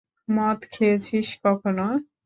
মদ খেয়েছিস কখনো?